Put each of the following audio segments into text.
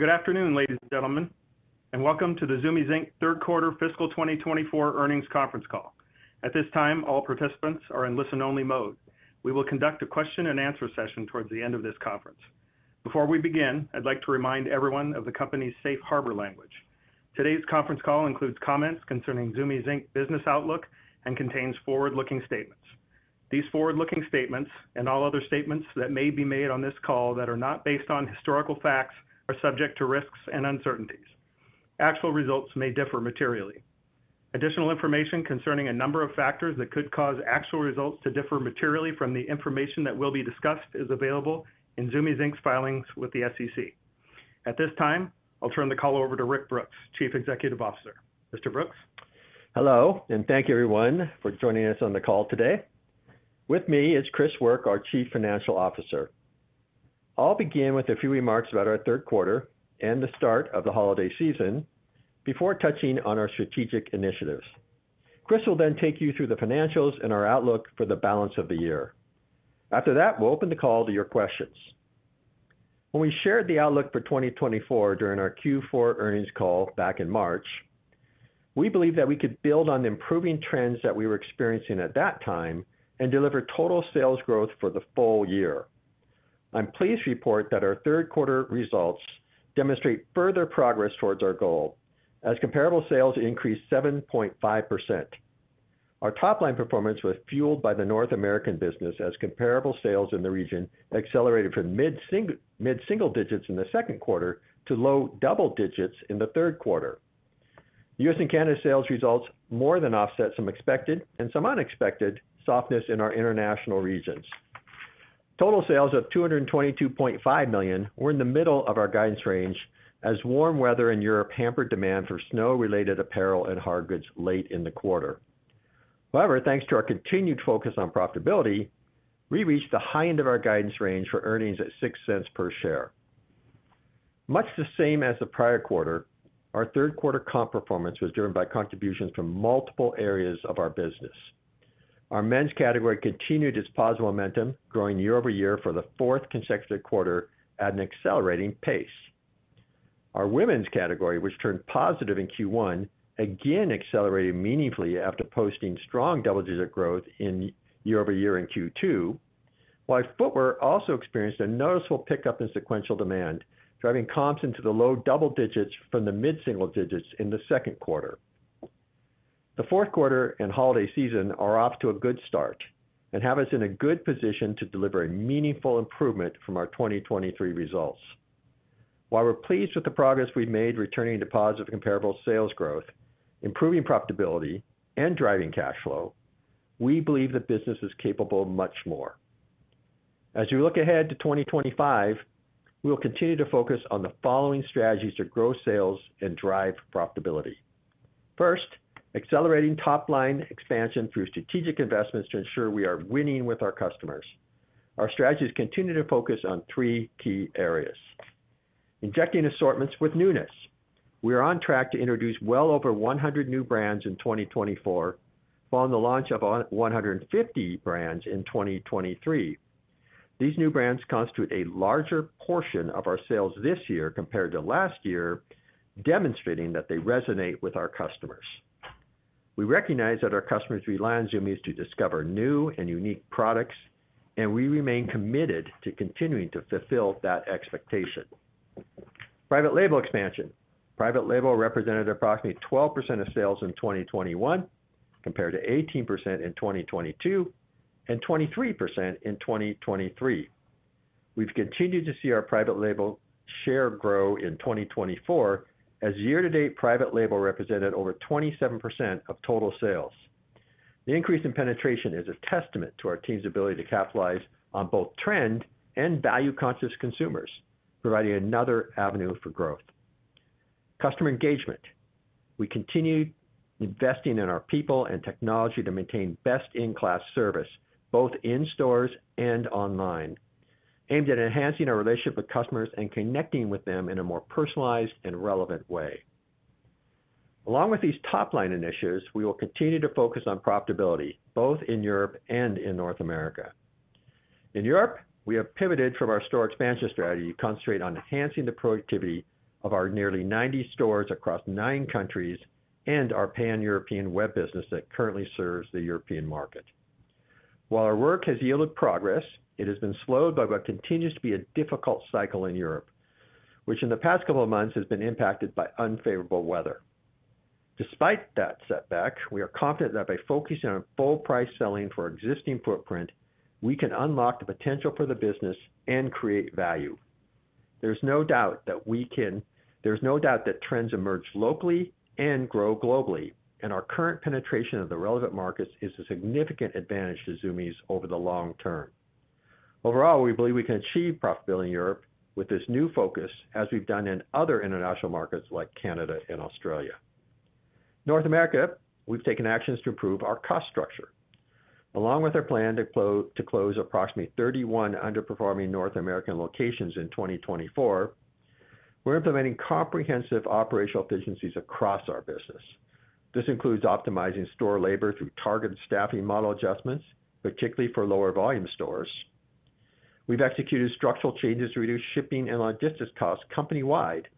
Good afternoon, ladies and gentlemen, and welcome to the Zumiez Third Quarter Fiscal 2024 Earnings Conference Call. At this time, all participants are in listen-only mode. We will conduct a question-and-answer session towards the end of this conference. Before we begin, I'd like to remind everyone of the company's safe harbor language. Today's conference call includes comments concerning Zumiez business outlook and contains forward-looking statements. These forward-looking statements and all other statements that may be made on this call that are not based on historical facts are subject to risks and uncertainties. Actual results may differ materially. Additional information concerning a number of factors that could cause actual results to differ materially from the information that will be discussed is available in Zumiez's filings with the SEC. At this time, I'll turn the call over to Rick Brooks, Chief Executive Officer. Mr. Brooks? Hello, and thank you, everyone, for joining us on the call today. With me is Chris Work, our Chief Financial Officer. I'll begin with a few remarks about our third quarter and the start of the holiday season before touching on our strategic initiatives. Chris will then take you through the financials and our outlook for the balance of the year. After that, we'll open the call to your questions. When we shared the outlook for 2024 during our Q4 earnings call back in March, we believed that we could build on the improving trends that we were experiencing at that time and deliver total sales growth for the full year. I'm pleased to report that our third quarter results demonstrate further progress towards our goal, as comparable sales increased 7.5%. Our top-line performance was fueled by the North American business, as comparable sales in the region accelerated from mid-single digits in the second quarter to low double digits in the third quarter. U.S. and Canada sales results more than offset some expected and some unexpected softness in our international regions. Total sales of $222.5 million were in the middle of our guidance range, as warm weather in Europe hampered demand for snow-related apparel and hardgoods late in the quarter. However, thanks to our continued focus on profitability, we reached the high end of our guidance range for earnings at $0.06 per share. Much the same as the prior quarter, our third quarter comp performance was driven by contributions from multiple areas of our business. Our men's category continued its positive momentum, growing year over year for the fourth consecutive quarter at an accelerating pace. Our women's category, which turned positive in Q1, again accelerated meaningfully after posting strong double-digit growth year over year in Q2, while our footwear also experienced a noticeable pickup in sequential demand, driving comps into the low double digits from the mid-single digits in the second quarter. The fourth quarter and holiday season are off to a good start and have us in a good position to deliver a meaningful improvement from our 2023 results. While we're pleased with the progress we've made returning to positive comparable sales growth, improving profitability, and driving cash flow, we believe the business is capable of much more. As we look ahead to 2025, we will continue to focus on the following strategies to grow sales and drive profitability. First, accelerating top-line expansion through strategic investments to ensure we are winning with our customers. Our strategies continue to focus on three key areas: injecting assortments with newness. We are on track to introduce well over 100 new brands in 2024, following the launch of 150 brands in 2023. These new brands constitute a larger portion of our sales this year compared to last year, demonstrating that they resonate with our customers. We recognize that our customers rely on Zumiez to discover new and unique products, and we remain committed to continuing to fulfill that expectation. Private label expansion. Private label represented approximately 12% of sales in 2021, compared to 18% in 2022 and 23% in 2023. We've continued to see our private label share grow in 2024, as year-to-date private label represented over 27% of total sales. The increase in penetration is a testament to our team's ability to capitalize on both trend and value-conscious consumers, providing another avenue for growth. Customer engagement. We continue investing in our people and technology to maintain best-in-class service, both in stores and online, aimed at enhancing our relationship with customers and connecting with them in a more personalized and relevant way. Along with these top-line initiatives, we will continue to focus on profitability, both in Europe and in North America. In Europe, we have pivoted from our store expansion strategy to concentrate on enhancing the productivity of our nearly 90 stores across nine countries and our pan-European web business that currently serves the European market. While our work has yielded progress, it has been slowed by what continues to be a difficult cycle in Europe, which in the past couple of months has been impacted by unfavorable weather. Despite that setback, we are confident that by focusing on full-price selling for our existing footprint, we can unlock the potential for the business and create value. There's no doubt that trends emerge locally and grow globally, and our current penetration of the relevant markets is a significant advantage to Zumiez over the long term. Overall, we believe we can achieve profitability in Europe with this new focus, as we've done in other international markets like Canada and Australia. In North America, we've taken actions to improve our cost structure. Along with our plan to close approximately 31 underperforming North American locations in 2024, we're implementing comprehensive operational efficiencies across our business. This includes optimizing store labor through targeted staffing model adjustments, particularly for lower volume stores. We've executed structural changes to reduce shipping and logistics costs company-wide,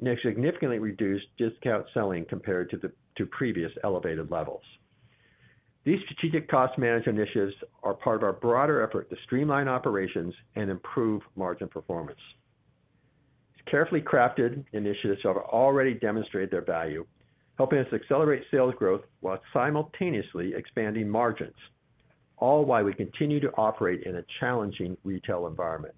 and have significantly reduced discount selling compared to previous elevated levels. These strategic cost management initiatives are part of our broader effort to streamline operations and improve margin performance. These carefully crafted initiatives have already demonstrated their value, helping us accelerate sales growth while simultaneously expanding margins, all while we continue to operate in a challenging retail environment.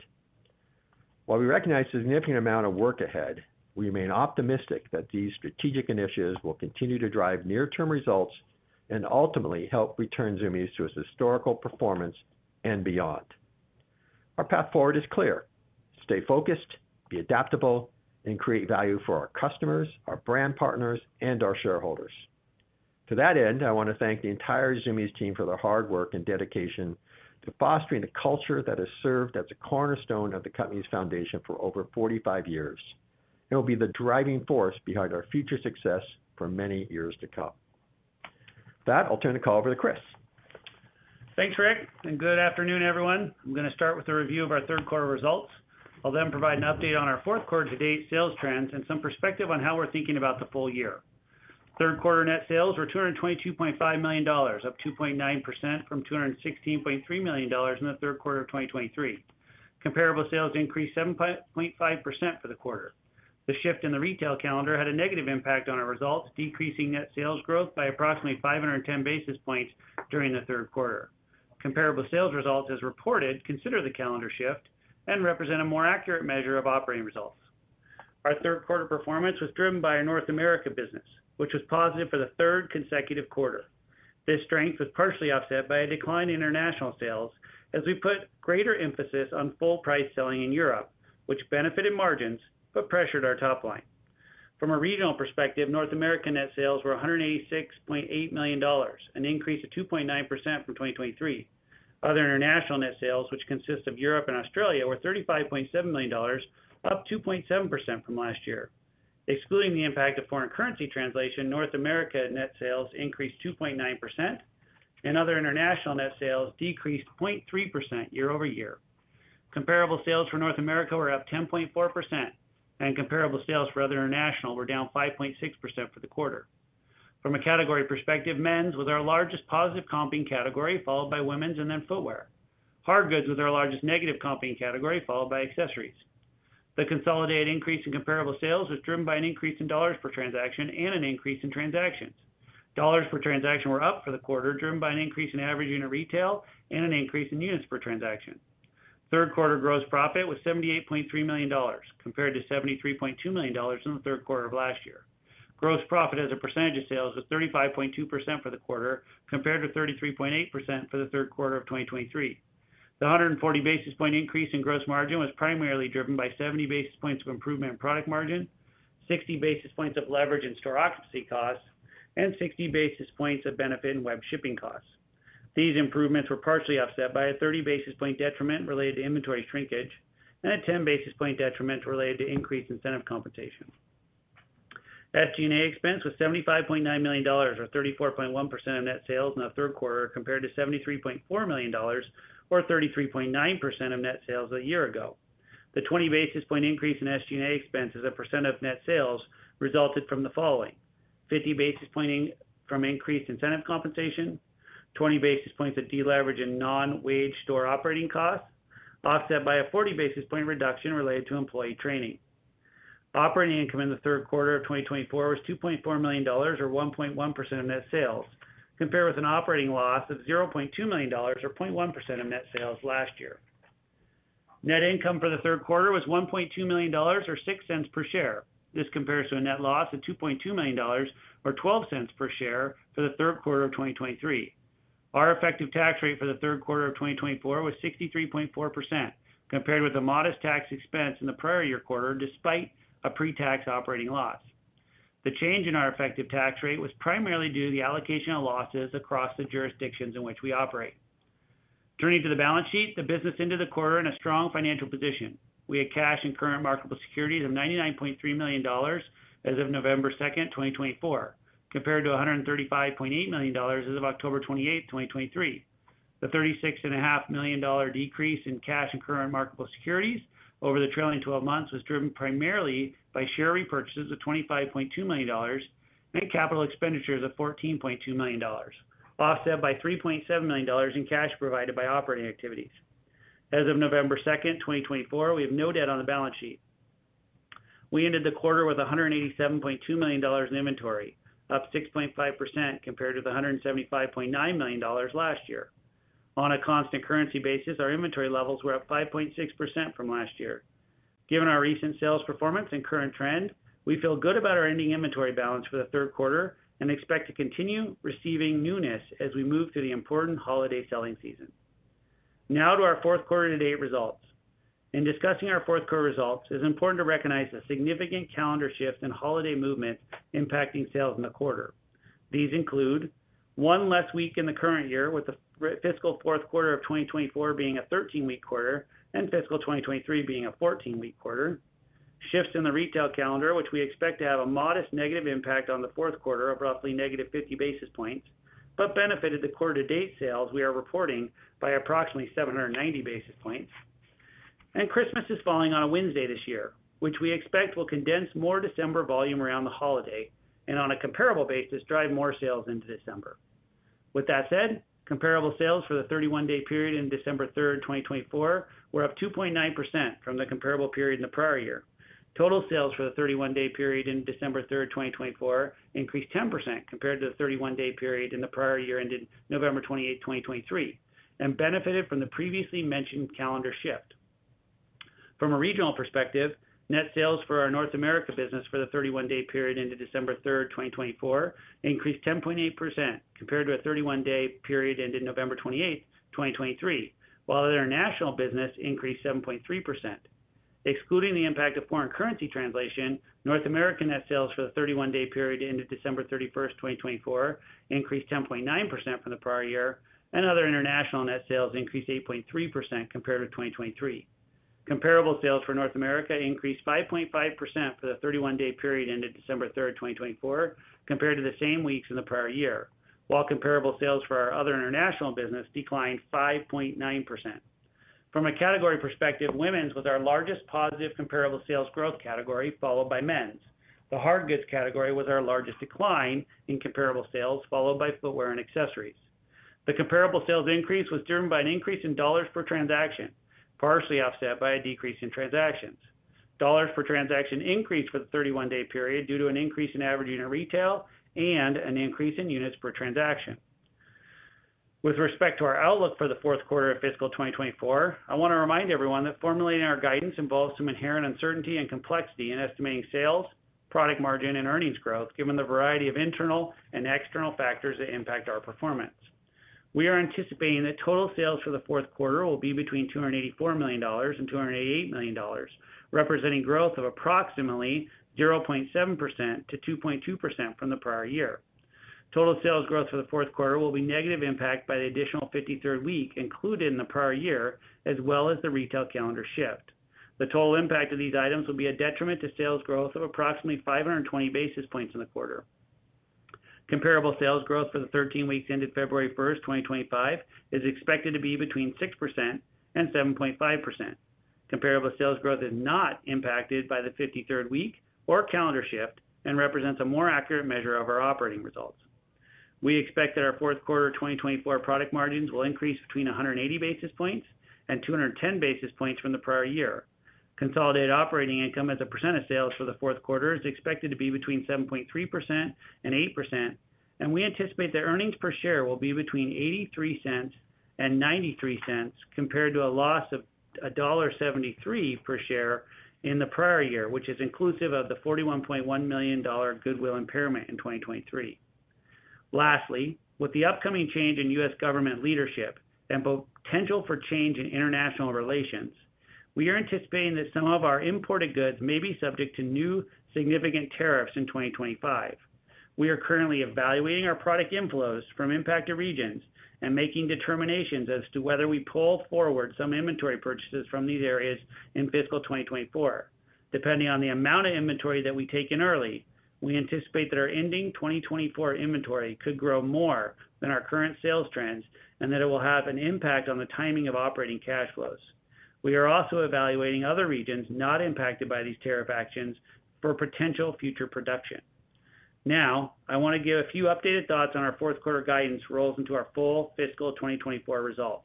While we recognize a significant amount of work ahead, we remain optimistic that these strategic initiatives will continue to drive near-term results and ultimately help return Zumiez to its historical performance and beyond. Our path forward is clear: stay focused, be adaptable, and create value for our customers, our brand partners, and our shareholders. To that end, I want to thank the entire Zumiez team for their hard work and dedication to fostering a culture that has served as a cornerstone of the company's foundation for over 45 years. It will be the driving force behind our future success for many years to come. With that, I'll turn the call over to Chris. Thanks, Rick, and good afternoon, everyone. I'm going to start with a review of our third quarter results. I'll then provide an update on our fourth quarter-to-date sales trends and some perspective on how we're thinking about the full year. Third quarter net sales were $222.5 million, up 2.9% from $216.3 million in the third quarter of 2023. Comparable sales increased 7.5% for the quarter. The shift in the retail calendar had a negative impact on our results, decreasing net sales growth by approximately 510 basis points during the third quarter. Comparable sales results, as reported, consider the calendar shift and represent a more accurate measure of operating results. Our third quarter performance was driven by our North America business, which was positive for the third consecutive quarter. This strength was partially offset by a decline in international sales, as we put greater emphasis on full-price selling in Europe, which benefited margins but pressured our top line. From a regional perspective, North America net sales were $186.8 million, an increase of 2.9% from 2023. Other international net sales, which consist of Europe and Australia, were $35.7 million, up 2.7% from last year. Excluding the impact of foreign currency translation, North America net sales increased 2.9%, and other international net sales decreased 0.3% year over year. Comparable sales for North America were up 10.4%, and comparable sales for other international were down 5.6% for the quarter. From a category perspective, men's was our largest positive comping category, followed by women's and then footwear. Hard goods was our largest negative comping category, followed by accessories. The consolidated increase in comparable sales was driven by an increase in dollars per transaction and an increase in transactions. Dollars per transaction were up for the quarter, driven by an increase in average unit retail and an increase in units per transaction. Third quarter gross profit was $78.3 million, compared to $73.2 million in the third quarter of last year. Gross profit as a percentage of sales was 35.2% for the quarter, compared to 33.8% for the third quarter of 2023. The 140 basis point increase in gross margin was primarily driven by 70 basis points of improvement in product margin, 60 basis points of leverage and store occupancy costs, and 60 basis points of benefit in web shipping costs. These improvements were partially offset by a 30 basis point detriment related to inventory shrinkage and a 10 basis point detriment related to increased incentive compensation. SG&A expense was $75.9 million, or 34.1% of net sales in the third quarter, compared to $73.4 million, or 33.9% of net sales a year ago. The 20 basis point increase in SG&A expense as a percent of net sales resulted from the following: 50 basis points from increased incentive compensation, 20 basis points of deleveraging non-wage store operating costs, offset by a 40 basis point reduction related to employee training. Operating income in the third quarter of 2024 was $2.4 million, or 1.1% of net sales, compared with an operating loss of $0.2 million, or 0.1% of net sales last year. Net income for the third quarter was $1.2 million, or $0.06 per share. This compares to a net loss of $2.2 million, or $0.12 per share for the third quarter of 2023. Our effective tax rate for the third quarter of 2024 was 63.4%, compared with a modest tax expense in the prior year quarter, despite a pre-tax operating loss. The change in our effective tax rate was primarily due to the allocation of losses across the jurisdictions in which we operate. Turning to the balance sheet, the business ended the quarter in a strong financial position. We had cash and current marketable securities of $99.3 million as of November 2, 2024, compared to $135.8 million as of October 28, 2023. The $36.5 million decrease in cash and current marketable securities over the trailing 12 months was driven primarily by share repurchases of $25.2 million and capital expenditures of $14.2 million, offset by $3.7 million in cash provided by operating activities. As of November 2, 2024, we have no debt on the balance sheet. We ended the quarter with $187.2 million in inventory, up 6.5% compared to the $175.9 million last year. On a constant currency basis, our inventory levels were up 5.6% from last year. Given our recent sales performance and current trend, we feel good about our ending inventory balance for the third quarter and expect to continue receiving newness as we move through the important holiday selling season. Now to our fourth quarter-to-date results. In discussing our fourth quarter results, it is important to recognize the significant calendar shift and holiday movements impacting sales in the quarter. These include one less week in the current year, with the fiscal fourth quarter of 2024 being a 13-week quarter and fiscal 2023 being a 14-week quarter. Shifts in the retail calendar, which we expect to have a modest negative impact on the fourth quarter of roughly negative 50 basis points, but benefited the quarter-to-date sales we are reporting by approximately 790 basis points, and Christmas is falling on a Wednesday this year, which we expect will condense more December volume around the holiday and, on a comparable basis, drive more sales into December. With that said, comparable sales for the 31-day period ending December 3, 2024, were up 2.9% from the comparable period in the prior year. Total sales for the 31-day period ending December 3, 2024, increased 10% compared to the 31-day period in the prior year ended November 28, 2023, and benefited from the previously mentioned calendar shift. From a regional perspective, net sales for our North America business for the 31-day period ended December 3, 2024, increased 10.8% compared to a 31-day period ended November 28, 2023, while international business increased 7.3%. Excluding the impact of foreign currency translation, North American net sales for the 31-day period ended December 3, 2024, increased 10.9% from the prior year, and other international net sales increased 8.3% compared to 2023. Comparable sales for North America increased 5.5% for the 31-day period ended December 3, 2024, compared to the same weeks in the prior year, while comparable sales for our other international business declined 5.9%. From a category perspective, women's was our largest positive comparable sales growth category, followed by men's. The hard goods category was our largest decline in comparable sales, followed by footwear and accessories. The comparable sales increase was driven by an increase in dollars per transaction, partially offset by a decrease in transactions. Dollars per transaction increased for the 31-day period due to an increase in average unit retail and an increase in units per transaction. With respect to our outlook for the fourth quarter of fiscal 2024, I want to remind everyone that formulating our guidance involves some inherent uncertainty and complexity in estimating sales, product margin, and earnings growth, given the variety of internal and external factors that impact our performance. We are anticipating that total sales for the fourth quarter will be between $284 million and $288 million, representing growth of approximately 0.7% to 2.2% from the prior year. Total sales growth for the fourth quarter will be negative impacted by the additional 53rd week included in the prior year, as well as the retail calendar shift. The total impact of these items will be a detriment to sales growth of approximately 520 basis points in the quarter. Comparable sales growth for the 13 weeks ended February 1, 2025, is expected to be between 6% and 7.5%. Comparable sales growth is not impacted by the 53rd week or calendar shift and represents a more accurate measure of our operating results. We expect that our fourth quarter 2024 product margins will increase between 180 basis points and 210 basis points from the prior year. Consolidated operating income as a percent of sales for the fourth quarter is expected to be between 7.3% and 8%, and we anticipate that earnings per share will be between $0.83 and $0.93 compared to a loss of $1.73 per share in the prior year, which is inclusive of the $41.1 million goodwill impairment in 2023. Lastly, with the upcoming change in U.S. government leadership and potential for change in international relations, we are anticipating that some of our imported goods may be subject to new significant tariffs in 2025. We are currently evaluating our product inflows from impacted regions and making determinations as to whether we pull forward some inventory purchases from these areas in fiscal 2024. Depending on the amount of inventory that we take in early, we anticipate that our ending 2024 inventory could grow more than our current sales trends and that it will have an impact on the timing of operating cash flows. We are also evaluating other regions not impacted by these tariff actions for potential future production. Now, I want to give a few updated thoughts on our fourth quarter guidance rolls into our full fiscal 2024 results.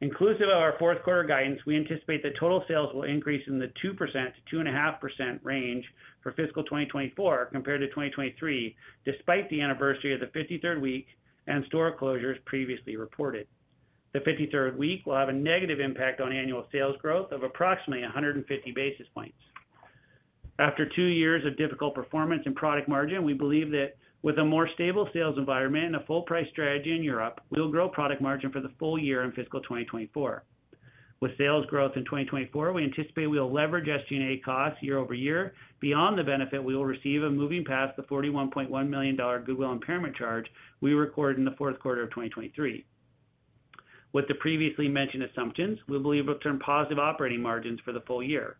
Inclusive of our fourth quarter guidance, we anticipate that total sales will increase in the 2% to 2.5% range for fiscal 2024 compared to 2023, despite the anniversary of the 53rd week and store closures previously reported. The 53rd week will have a negative impact on annual sales growth of approximately 150 basis points. After two years of difficult performance and product margin, we believe that with a more stable sales environment and a full-price strategy in Europe, we'll grow product margin for the full year in fiscal 2024. With sales growth in 2024, we anticipate we'll leverage SG&A costs year over year beyond the benefit we will receive of moving past the $41.1 million goodwill impairment charge we recorded in the fourth quarter of 2023. With the previously mentioned assumptions, we believe we'll turn positive operating margins for the full year.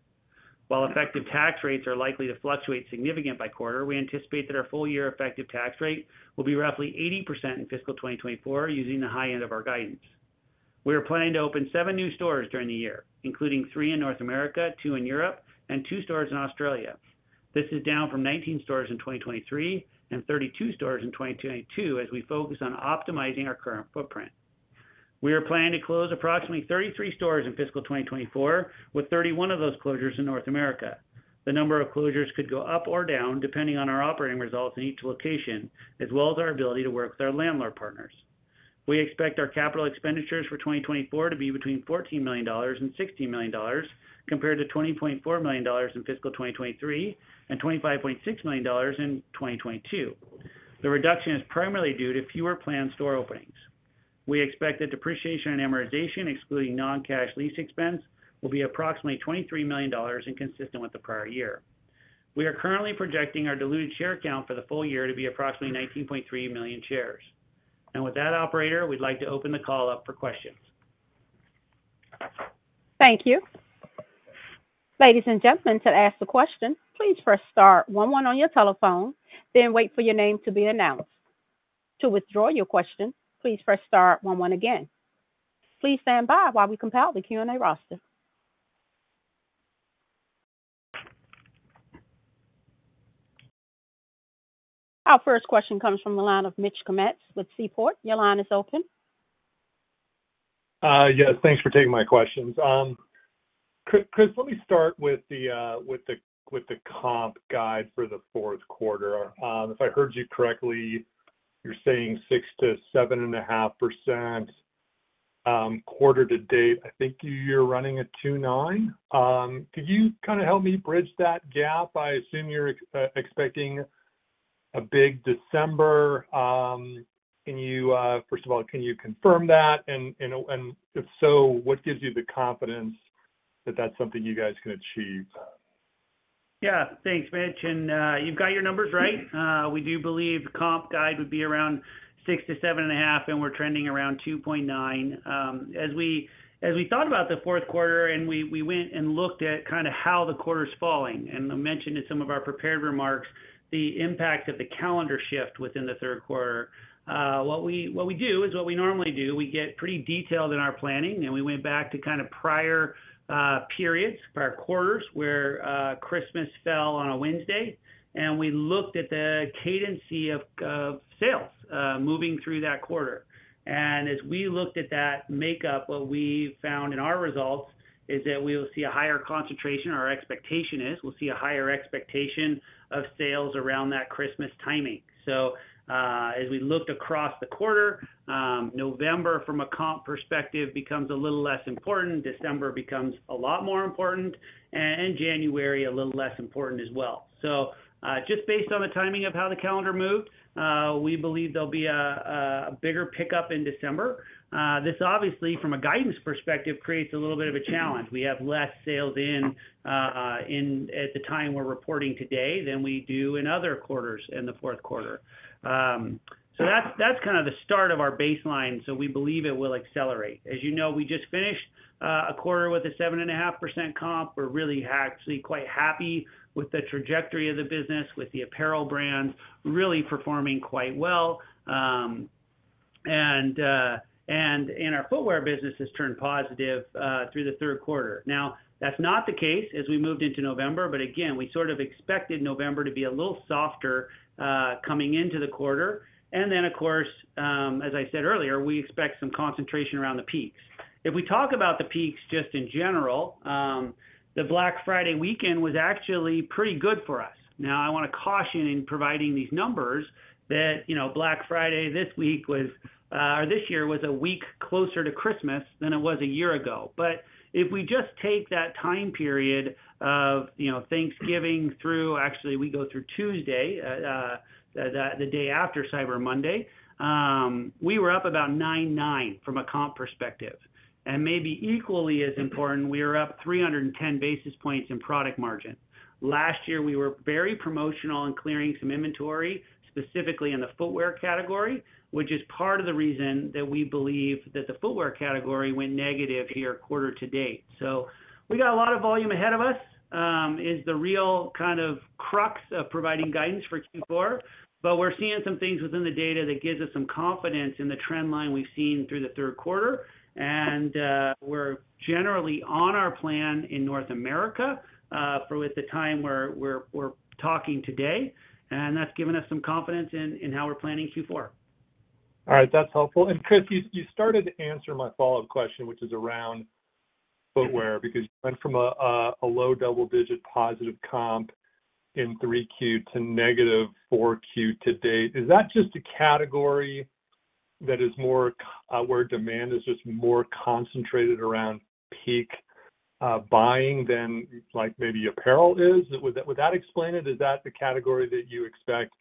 While effective tax rates are likely to fluctuate significantly by quarter, we anticipate that our full-year effective tax rate will be roughly 80% in fiscal 2024 using the high end of our guidance. We are planning to open seven new stores during the year, including three in North America, two in Europe, and two stores in Australia. This is down from 19 stores in 2023 and 32 stores in 2022 as we focus on optimizing our current footprint. We are planning to close approximately 33 stores in fiscal 2024, with 31 of those closures in North America. The number of closures could go up or down depending on our operating results in each location, as well as our ability to work with our landlord partners. We expect our capital expenditures for 2024 to be between $14 million and $16 million, compared to $20.4 million in fiscal 2023 and $25.6 million in 2022. The reduction is primarily due to fewer planned store openings. We expect that depreciation and amortization, excluding non-cash lease expense, will be approximately $23 million and consistent with the prior year. We are currently projecting our diluted share count for the full year to be approximately 19.3 million shares. And with that, operator, we'd like to open the call up for questions. Thank you. Ladies and gentlemen, to ask the question, please press star 11 on your telephone, then wait for your name to be announced. To withdraw your question, please press star 11 again. Please stand by while we compile the Q&A roster. Our first question comes from the line of Mitch Kummetz with Seaport. Your line is open. Yes, thanks for taking my questions. Chris, let me start with the comp guide for the fourth quarter. If I heard you correctly, you're saying 6%-7.5% quarter-to-date. I think you're running a 2.9%. Could you kind of help me bridge that gap? I assume you're expecting a big December. First of all, can you confirm that? And if so, what gives you the confidence that that's something you guys can achieve? Yeah, thanks, Mitch. And you've got your numbers right. We do believe the comp guide would be around 6%-7.5%, and we're trending around 2.9%. As we thought about the fourth quarter, and we went and looked at kind of how the quarter's falling, and I mentioned in some of our prepared remarks the impact of the calendar shift within the third quarter, what we do is what we normally do. We get pretty detailed in our planning, and we went back to kind of prior periods, prior quarters, where Christmas fell on a Wednesday, and we looked at the cadency of sales moving through that quarter, and as we looked at that makeup, what we found in our results is that we will see a higher concentration. Our expectation is we'll see a higher expectation of sales around that Christmas timing, so as we looked across the quarter, November, from a comp perspective, becomes a little less important. December becomes a lot more important, and January a little less important as well, so just based on the timing of how the calendar moved, we believe there'll be a bigger pickup in December. This, obviously, from a guidance perspective, creates a little bit of a challenge. We have less sales in at the time we're reporting today than we do in other quarters in the fourth quarter. So that's kind of the start of our baseline. So we believe it will accelerate. As you know, we just finished a quarter with a 7.5% comp. We're really actually quite happy with the trajectory of the business, with the apparel brands really performing quite well. And our footwear business has turned positive through the third quarter. Now, that's not the case as we moved into November, but again, we sort of expected November to be a little softer coming into the quarter. And then, of course, as I said earlier, we expect some concentration around the peaks. If we talk about the peaks just in general, the Black Friday weekend was actually pretty good for us. Now, I want to caution in providing these numbers that Black Friday this week was, or this year, was a week closer to Christmas than it was a year ago. But if we just take that time period of Thanksgiving through, actually, we go through Tuesday, the day after Cyber Monday, we were up about 9.9% from a comp perspective. And maybe equally as important, we were up 310 basis points in product margin. Last year, we were very promotional in clearing some inventory, specifically in the footwear category, which is part of the reason that we believe that the footwear category went negative here quarter-to-date. So we got a lot of volume ahead of us is the real kind of crux of providing guidance for Q4, but we're seeing some things within the data that gives us some confidence in the trend line we've seen through the third quarter. We're generally on our plan in North America for the time we're talking today, and that's given us some confidence in how we're planning Q4. All right, that's helpful. Chris, you started to answer my follow-up question, which is around footwear, because you went from a low double-digit positive comp in 3Q to -4Q to date. Is that just a category that is more where demand is just more concentrated around peak buying than maybe apparel is? Would that explain it? Is that the category that you expect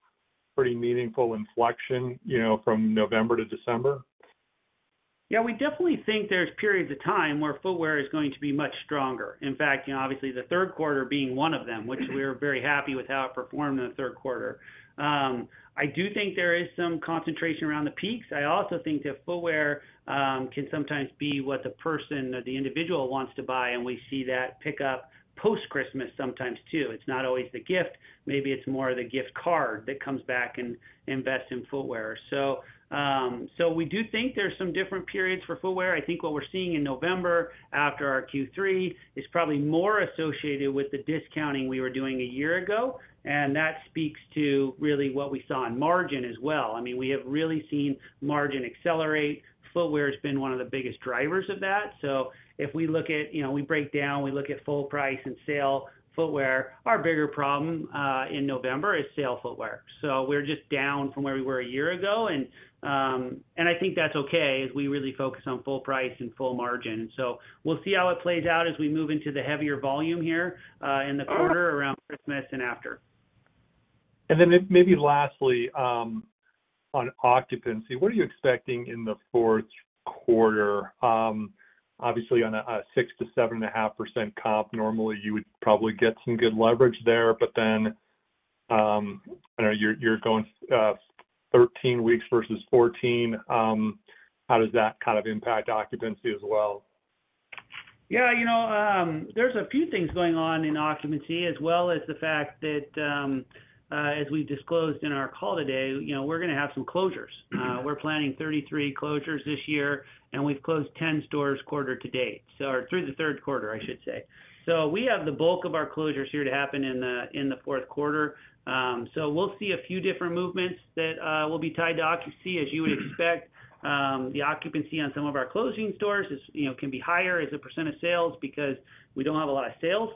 pretty meaningful inflection from November to December? Yeah, we definitely think there's periods of time where footwear is going to be much stronger. In fact, obviously, the third quarter being one of them, which we were very happy with how it performed in the third quarter. I do think there is some concentration around the peaks. I also think that footwear can sometimes be what the person or the individual wants to buy, and we see that pickup post-Christmas sometimes too. It's not always the gift. Maybe it's more the gift card that comes back and invests in footwear. So we do think there's some different periods for footwear. I think what we're seeing in November after our Q3 is probably more associated with the discounting we were doing a year ago, and that speaks to really what we saw in margin as well. I mean, we have really seen margin accelerate. Footwear has been one of the biggest drivers of that. So if we look at, we break down, we look at full price and sale footwear, our bigger problem in November is sale footwear. So we're just down from where we were a year ago, and I think that's okay as we really focus on full price and full margin. So we'll see how it plays out as we move into the heavier volume here in the quarter around Christmas and after. And then maybe lastly, on occupancy, what are you expecting in the fourth quarter? Obviously, on a 6%-7.5% comp, normally you would probably get some good leverage there, but then you're going 13 weeks versus 14. How does that kind of impact occupancy as well? Yeah, there's a few things going on in occupancy, as well as the fact that, as we disclosed in our call today, we're going to have some closures. We're planning 33 closures this year, and we've closed 10 stores quarter-to-date, or through the third quarter, I should say. So we have the bulk of our closures here to happen in the fourth quarter. So we'll see a few different movements that will be tied to occupancy, as you would expect. The occupancy on some of our closing stores can be higher as a percentage of sales because we don't have a lot of sales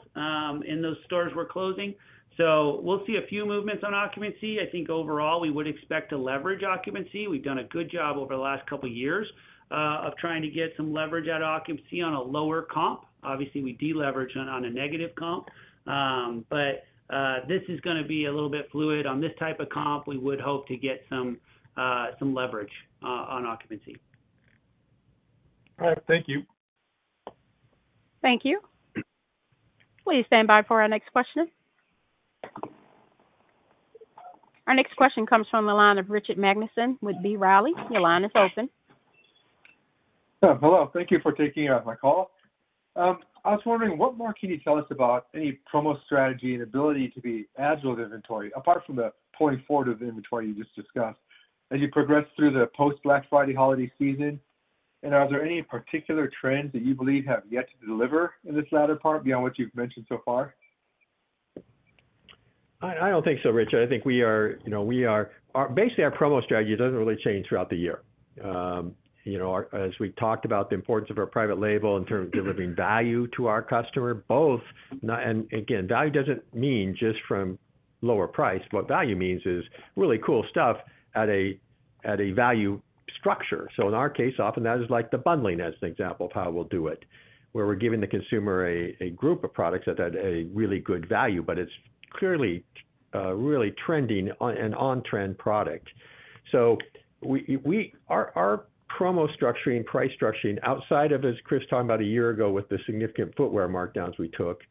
in those stores we're closing. So we'll see a few movements on occupancy. I think overall, we would expect to leverage occupancy. We've done a good job over the last couple of years of trying to get some leverage out of occupancy on a lower comp. Obviously, we deleverage on a negative comp, but this is going to be a little bit fluid. On this type of comp, we would hope to get some leverage on occupancy. All right, thank you. Thank you. Please stand by for our next question. Our next question comes from the line of Richard Magnuson with B. Riley. Your line is open. Hello, thank you for taking my call. I was wondering, what more can you tell us about any promo strategy and ability to be agile with inventory, apart from the pull forward of inventory you just discussed, as you progress through the post-Black Friday holiday season? And are there any particular trends that you believe have yet to deliver in this latter part beyond what you've mentioned so far? I don't think so, Richard. I think we are basically our promo strategy doesn't really change throughout the year. As we talked about the importance of our private label in terms of delivering value to our customer, both. And again, value doesn't mean just from lower price. What value means is really cool stuff at a value structure. So in our case, often that is like the bundling, as an example of how we'll do it, where we're giving the consumer a group of products that have a really good value, but it's clearly really trending and on-trend product. So our promo structuring and price structuring outside of, as Chris talked about a year ago with the significant footwear markdowns we took,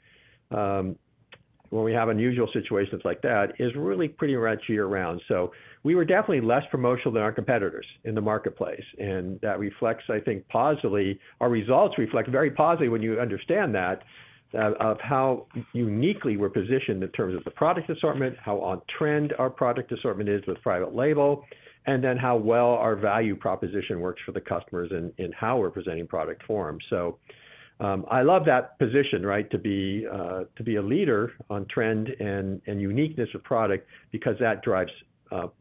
when we have unusual situations like that, is really pretty much year-round. So we were definitely less promotional than our competitors in the marketplace, and that reflects, I think, positively. Our results reflect very positively when you understand that, of how uniquely we're positioned in terms of the product assortment, how on-trend our product assortment is with private label, and then how well our value proposition works for the customers and how we're presenting product for them. So I love that position, right, to be a leader on trend and uniqueness of product because that drives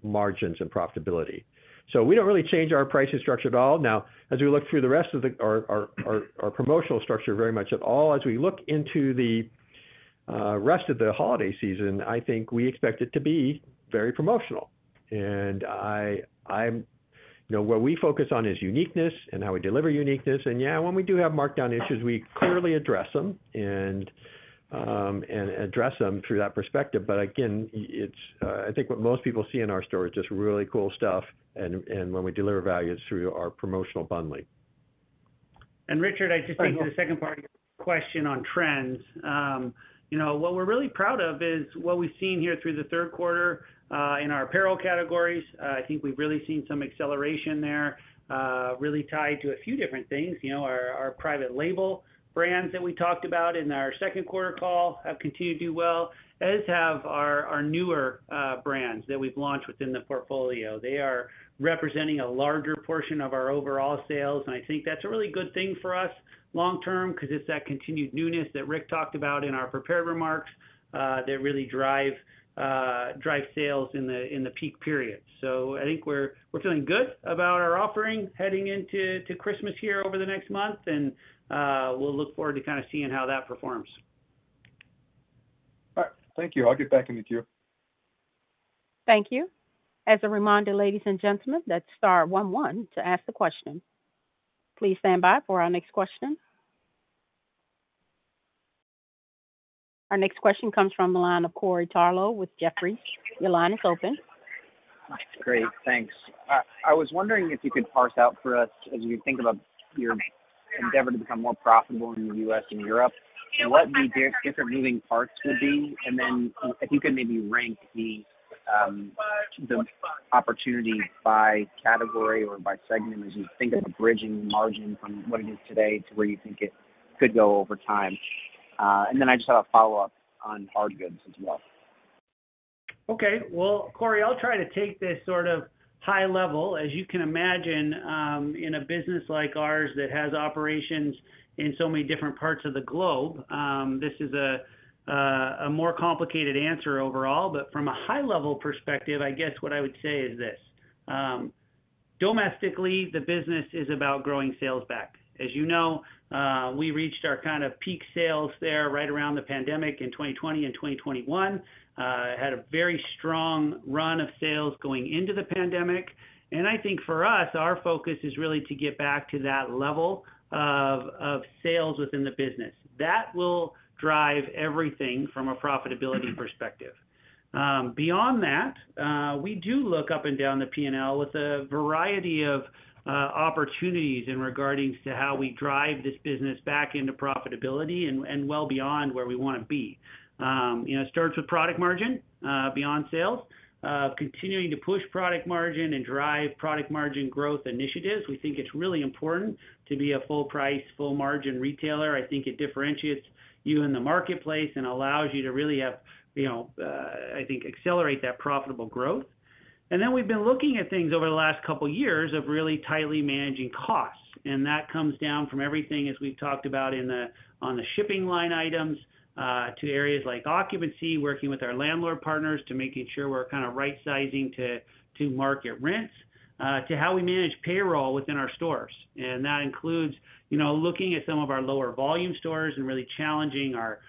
margins and profitability. So we don't really change our pricing structure at all. Now, as we look into the rest of the holiday season, I think we expect it to be very promotional. And where we focus on is uniqueness and how we deliver uniqueness. And yeah, when we do have markdown issues, we clearly address them and address them through that perspective. But again, I think what most people see in our store is just really cool stuff, and when we deliver value is through our promotional bundling. And Richard, I just think the second part of your question on trends, what we're really proud of is what we've seen here through the third quarter in our apparel categories. I think we've really seen some acceleration there, really tied to a few different things. Our private label brands that we talked about in our second quarter call have continued to do well, as have our newer brands that we've launched within the portfolio. They are representing a larger portion of our overall sales, and I think that's a really good thing for us long-term because it's that continued newness that Rick talked about in our prepared remarks that really drive sales in the peak period. So I think we're feeling good about our offering heading into Christmas here over the next month, and we'll look forward to kind of seeing how that performs. All right, thank you. I'll get back in with you. Thank you. As a reminder, ladies and gentlemen, that's star 11 to ask the question. Please stand by for our next question. Our next question comes from the line of Corey Tarlowe with Jefferies. Your line is open. Great, thanks. I was wondering if you could parse out for us, as you think about your endeavor to become more profitable in the U.S. and Europe, what the different moving parts would be, and then if you could maybe rank the opportunity by category or by segment as you think of the bridging margin from what it is today to where you think it could go over time. And then I just have a follow-up on hard goods as well. Okay, well, Cory, I'll try to take this sort of high level. As you can imagine, in a business like ours that has operations in so many different parts of the globe, this is a more complicated answer overall, but from a high-level perspective, I guess what I would say is this: domestically, the business is about growing sales back. As you know, we reached our kind of peak sales there right around the pandemic in 2020 and 2021, had a very strong run of sales going into the pandemic. And I think for us, our focus is really to get back to that level of sales within the business. That will drive everything from a profitability perspective. Beyond that, we do look up and down the P&L with a variety of opportunities in regards to how we drive this business back into profitability and well beyond where we want to be. It starts with product margin beyond sales, continuing to push product margin and drive product margin growth initiatives. We think it's really important to be a full-price, full-margin retailer. I think it differentiates you in the marketplace and allows you to really have, I think, accelerate that profitable growth. And then we've been looking at things over the last couple of years of really tightly managing costs. And that comes down from everything, as we've talked about, on the shipping line items to areas like occupancy, working with our landlord partners to making sure we're kind of right-sizing to market rents, to how we manage payroll within our stores. And that includes looking at some of our lower volume stores and really challenging our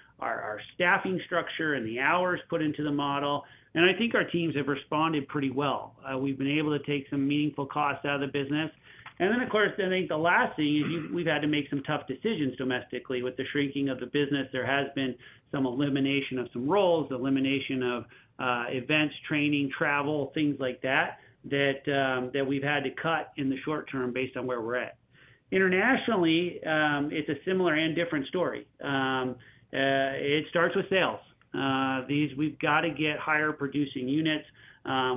staffing structure and the hours put into the model. And I think our teams have responded pretty well. We've been able to take some meaningful costs out of the business. And then, of course, I think the last thing is we've had to make some tough decisions domestically. With the shrinking of the business, there has been some elimination of some roles, elimination of events, training, travel, things like that, that we've had to cut in the short term based on where we're at. Internationally, it's a similar and different story. It starts with sales. We've got to get higher-producing units.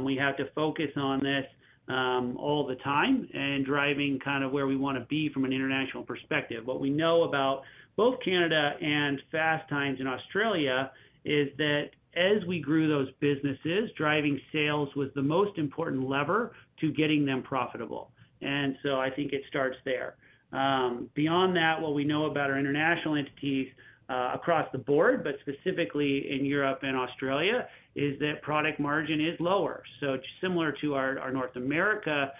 We have to focus on this all the time and driving kind of where we want to be from an international perspective. What we know about both Canada and Fast Times in Australia is that as we grew those businesses, driving sales was the most important lever to getting them profitable. And so I think it starts there. Beyond that, what we know about our international entities across the board, but specifically in Europe and Australia, is that product margin is lower. So similar to our North America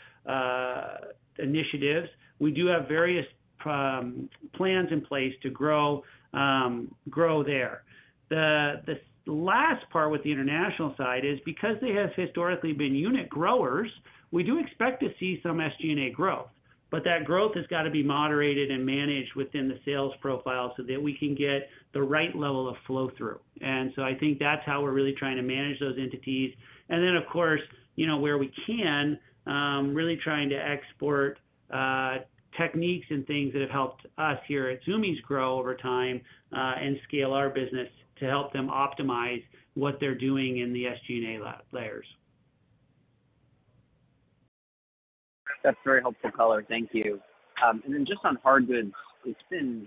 initiatives, we do have various plans in place to grow there. The last part with the international side is because they have historically been unit growers, we do expect to see some SG&A growth, but that growth has got to be moderated and managed within the sales profile so that we can get the right level of flow-through, and so I think that's how we're really trying to manage those entities, and then, of course, where we can, really trying to export techniques and things that have helped us here at Zumiez grow over time and scale our business to help them optimize what they're doing in the SG&A layers. That's very helpful color. Thank you. And then just on hard goods, it's been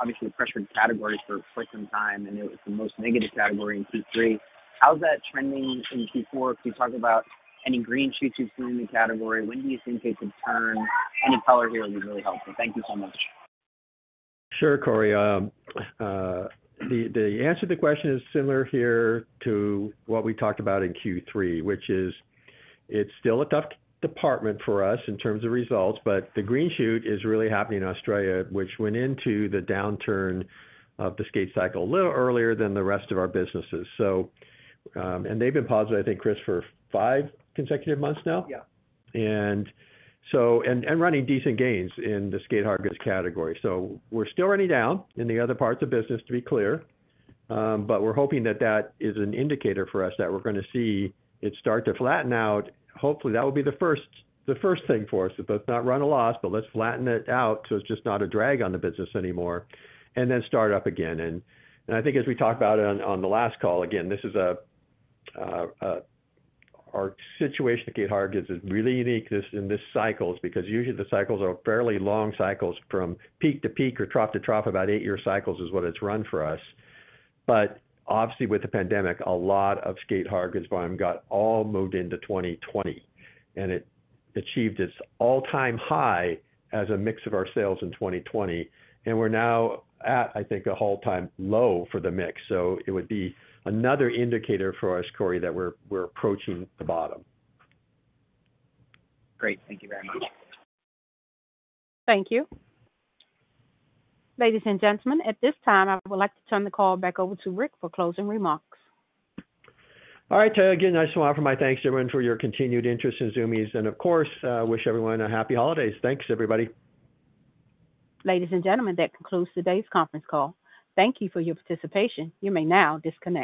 obviously a pressured category for quite some time, and it was the most negative category in Q3. How's that trending in Q4? Can you talk about any green shoots you've seen in the category? When do you think it could turn? Any color here would be really helpful. Thank you so much. Sure, Corey. The answer to the question is similar here to what we talked about in Q3, which is it's still a tough department for us in terms of results, but the green shoot is really happening in Australia, which went into the downturn of the skate cycle a little earlier than the rest of our businesses. And they've been positive, I think, Chris, for five consecutive months now, Yeah and running decent gains in the skate hard goods category. So we're still running down in the other parts of business, to be clear, but we're hoping that that is an indicator for us that we're going to see it start to flatten out. Hopefully, that will be the first thing for us. Let's not run a loss, but let's flatten it out so it's just not a drag on the business anymore, and then start up again. And I think as we talked about it on the last call, again, this is our situation at skate hard goods is really unique in this cycle because usually the cycles are fairly long cycles from peak to peak or trough to trough. About eight-year cycles is what it's run for us. But obviously, with the pandemic, a lot of skate hard goods volume got all moved into 2020, and it achieved its all-time high as a mix of our sales in 2020. And we're now at, I think, an all-time low for the mix. So it would be another indicator for us, Corey, that we're approaching the bottom. Great. Thank you very much. Thank you. Ladies and gentlemen, at this time, I would like to turn the call back over to Rick for closing remarks. All right, Tay, again, nice to offer my thanks to everyone for your continued interest in Zumiez. And of course, wish everyone a happy holidays. Thanks, everybody. Ladies and gentlemen, that concludes today's conference call. Thank you for your participation. You may now disconnect.